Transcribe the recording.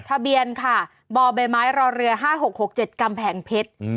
ทะเบียนค่ะบใบไม้รอเรือ๕๖๖๗กำแพงเพชร